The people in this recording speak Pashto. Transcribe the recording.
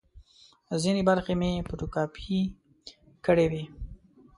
ځینې برخې مې فوټو کاپي کړې وې.